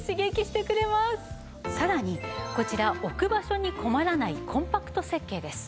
さらにこちら置く場所に困らないコンパクト設計です。